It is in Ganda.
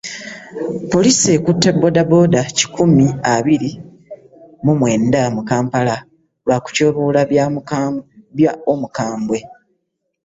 Poliisi ekutte booda booda kikumi abiri mu mwenda mu Kampala lwa kutyoboola bya Omukambwe